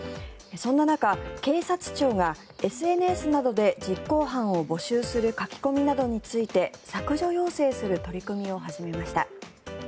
そんな中、警察庁がＳＮＳなどで実行犯を募集する書き込みなどについて削除要請する取り組みを始めました。